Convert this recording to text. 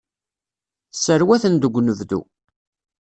Sserwaten deg unebdu.